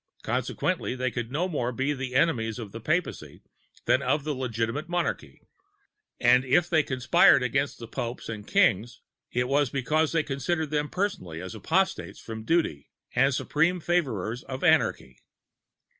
Consequently they could no more be the enemies of the Papacy than of legitimate Monarchy; and if they conspired against the Popes and Kings, it was because they considered them personally as apostates from duty and supreme favorers of anarchy.